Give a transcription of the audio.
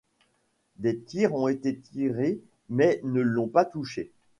Des tirs ont été tirés mais ne l'ont pas touché.